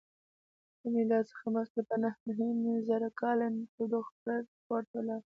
له میلاد څخه مخکې په نهه نیم زره کال کې تودوخه پورته لاړه.